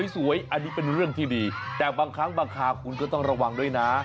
สวยอันนี้เป็นเรื่องที่ดีแต่บางครั้งบางคราวคุณก็ต้องระวังด้วยนะ